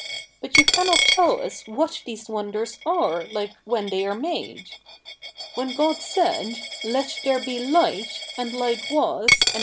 But you cannot tell us what these wonders are like when they are made. When God said, " Let there be lischt, and light was, and 48 THE NEW REPUBLIC [bk.